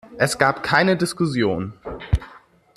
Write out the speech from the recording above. Es gab keine Diskussion.